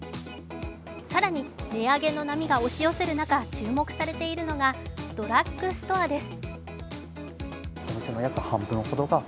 更に、値上げの波が押し寄せる中注目されているのはドラッグストアです。